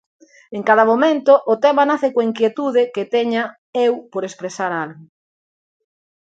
En cada momento, o tema nace coa inquietude que teña eu por expresar algo.